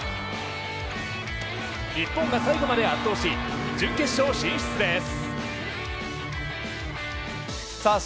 日本が最後まで圧倒し、準決勝進出です。